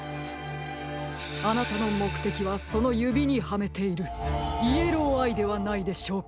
あなたのもくてきはそのゆびにはめているイエローアイではないでしょうか？